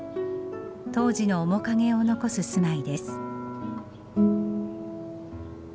当時の面影を残す住まいです。